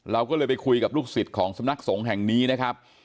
เราก็เลยไปคุยกับลูกศิษย์ของสำนักสงฆ์แห่งนี้นะครับ